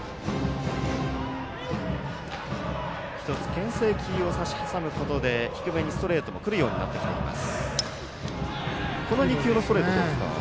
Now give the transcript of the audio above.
けん制球を差し挟むことで低めにストレートがくるようになってきています。